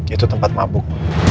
itu tempat mabuk